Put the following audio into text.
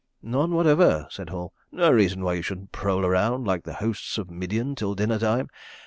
"None whatever," said Hall. "No reason why you shouldn't prowl around like the hosts of Midian till dinner time.